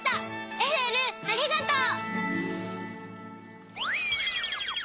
えるえるありがとう。